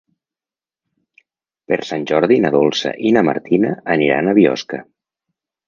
Per Sant Jordi na Dolça i na Martina aniran a Biosca.